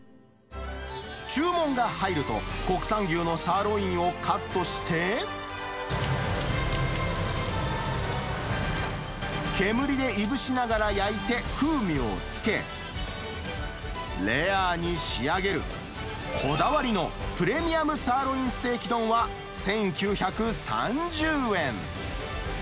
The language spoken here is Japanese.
注文が入ると、国産牛のサーロインをカットして、煙でいぶしながら焼いて風味をつけ、レアに仕上げる、こだわりのプレミアムサーロインステーキ丼は、１９３０円。